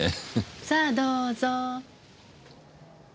さあどうぞ。